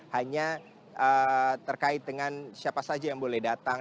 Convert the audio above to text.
hanya terkait dengan siapa saja yang boleh datang